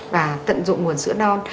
và tận dụng nguồn sữa non